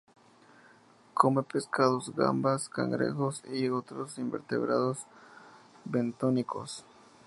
Come pescados, gambas, cangrejos y otros invertebrados bentónicos.